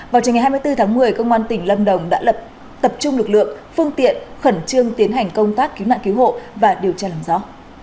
vào trường ngày hai mươi bốn tháng một mươi công an tỉnh lâm đồng đã lập tập trung lực lượng phương tiện khẩn trương tiến hành công tác cứu nạn cứu hộ và điều tra làm rõ